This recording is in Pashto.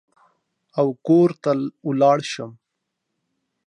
او کور ته ولاړ شم.